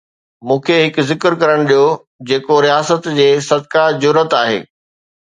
مون کي هڪ ذڪر ڪرڻ ڏيو جيڪو رياست جي 'صدقه جرئت' آهي.